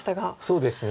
そうですね。